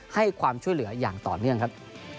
ให้ความช่วยเหลืออย่างต่อเนื่องครับ